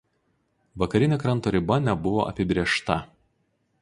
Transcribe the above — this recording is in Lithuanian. Vakarinė kranto riba nebuvo apibrėžta.